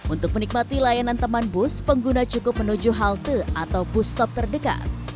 untuk menikmati layanan teman bus pengguna cukup menuju halte atau bus top terdekat